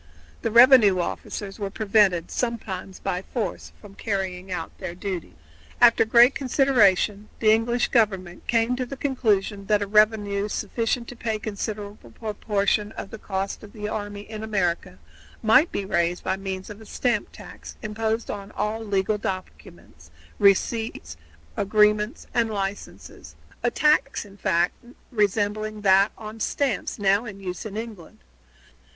The revenue officers were prevented, sometimes by force, from carrying out their duties. After great consideration the English government came to the conclusion that a revenue sufficient to pay a considerable proportion of the cost of the army in America might be raised by means of a stamp tax imposed upon all legal documents, receipts, agreements, and licenses a tax, in fact, resembling that on stamps now in use in England.